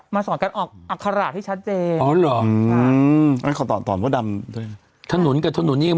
ไม่นี่ฉันติดตามคุณคนเดียว